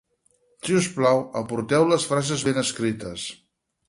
Si us plau, aporteu les frases ben escrites.